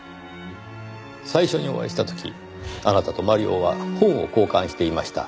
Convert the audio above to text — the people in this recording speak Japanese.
最初にお会いした時あなたとマリオは本を交換していました。